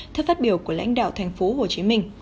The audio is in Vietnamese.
theo phát biểu của lãnh đạo tp hcm